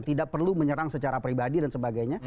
tidak perlu menyerang secara pribadi dan sebagainya